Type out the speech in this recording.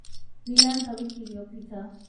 Nimeanza wiki iliyopita.